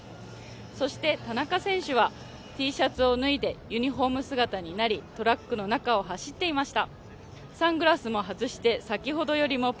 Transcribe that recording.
そして田中選手はＴシャツを脱いでユニフォーム姿になりトラックの中を走っていました。